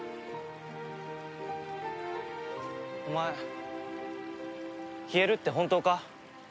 お前消えるって本当か？